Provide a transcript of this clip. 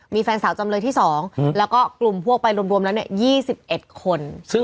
มีแฟนสาวจำเลยที่๒แล้วก็กลุ่มพวกไปรวมแล้ว๒๑คน